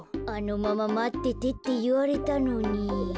あのまままっててっていわれたのに。